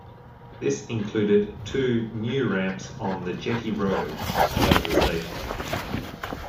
This included two new ramps on the Jetty Road side of the station.